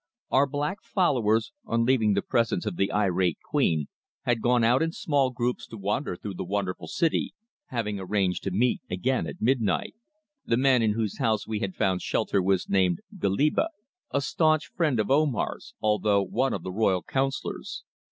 Our black followers, on leaving the presence of the irate queen, had gone out in small groups to wander through the wonderful city, having arranged to meet again at midnight. The man in whose house we had found shelter was named Goliba, a staunch friend of Omar's, although one of the royal councillors.